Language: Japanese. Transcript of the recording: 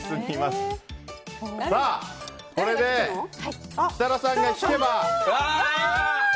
これで、設楽さんが引けば。